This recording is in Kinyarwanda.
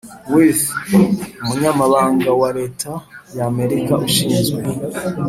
wirth, umunyamabanga wa leta y'amerika ushinzwe